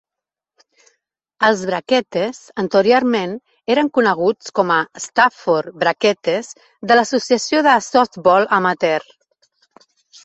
Els Brakettes anteriorment eren coneguts com a Stratford Brakettes de l'Associació de softbol amateur.